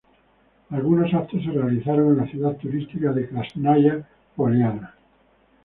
Algunos eventos se realizaron en la ciudad turística de Krásnaya Poliana.